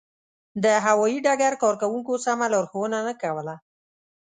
د هوایي ډګر کارکوونکو سمه لارښوونه نه کوله.